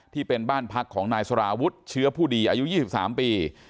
ที่เป็นบ้านพักของนายสารวุฒิเชื้อผู้ดีอายุ๒๓ปี